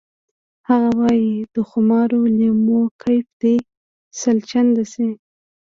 هغه وایی د خمارو لیمو کیف دې سل چنده شي